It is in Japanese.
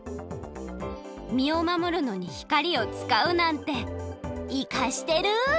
みをまもるのに光をつかうなんていかしてる！